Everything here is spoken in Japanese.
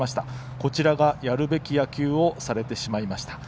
こちらがやるべき野球をされてしまいました。